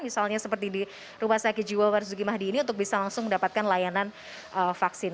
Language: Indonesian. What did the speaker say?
misalnya seperti di rumah sakit jiwa marzuki mahdi ini untuk bisa langsung mendapatkan layanan vaksin